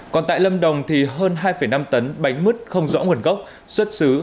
còn tại lâm đồng thì hơn hai năm tấn bánh mứt không rõ nguồn gốc xuất xứ